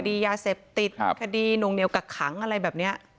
คดียาเสพติดคดีหวงเหนียวกักขังอะไรแบบนี้